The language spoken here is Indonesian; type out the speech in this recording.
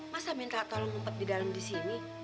masa minta tolong umpet di dalam disini